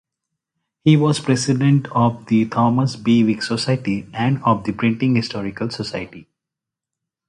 He was president of the Thomas Bewick Society and of the Printing Historical Society.